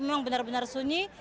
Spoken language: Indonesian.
memang benar benar sunyi